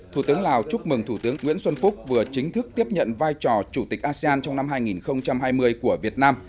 thủ tướng lào chúc mừng thủ tướng nguyễn xuân phúc vừa chính thức tiếp nhận vai trò chủ tịch asean trong năm hai nghìn hai mươi của việt nam